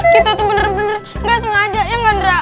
kita tuh bener bener nggak sengaja ya nggak dara